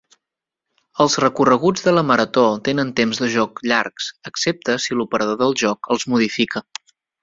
Els recorreguts de la marató tenen temps de joc llargs, excepte si l'operador del joc els modifica.